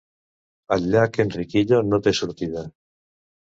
El llac Enriquillo no té sortida.